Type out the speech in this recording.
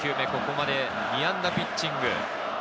まだ２安打ピッチング。